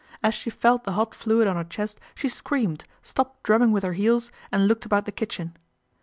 As she felt the hot fluid on her chest she screamed, stopped drumming with her heels and looked about the kitchen.